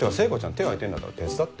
手が空いてんだったら手伝って。